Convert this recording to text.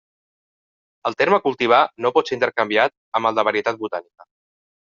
El terme cultivar no pot ser intercanviat amb el de varietat botànica.